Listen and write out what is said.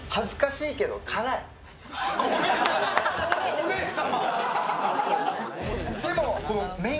お姉様。